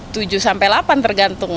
tujuh sampai lapan tergantung